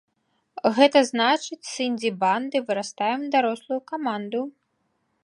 Гэта значыць, з індзі-банды вырастаем ў дарослую каманду.